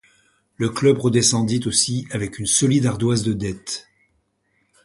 Le club redescendit aussi avec une solide ardoise de dettes.